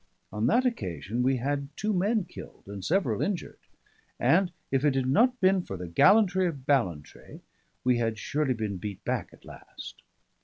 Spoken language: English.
On that occasion we had two men killed and several injured, and if it had not been for the gallantry of Ballantrae we had surely been beat back at last.